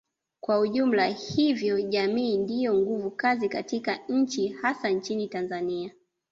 kwa ujumla hivyo jamii ndiyo nguvu kazi katika nchi hasa nchini Tanzania